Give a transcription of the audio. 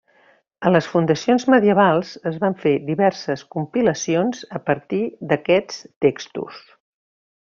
A les fundacions medievals es van fer diverses compilacions a partir d'aquests textos.